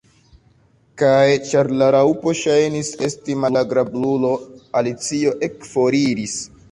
Kaj ĉar la Raŭpo ŝajnis esti malagrablulo, Alicio ekforiris.